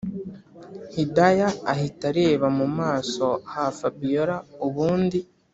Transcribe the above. hidaya ahita areba mumaso hafabiora ubundi